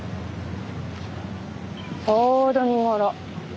ちょうど見頃。